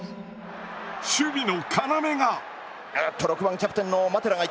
守備の要が。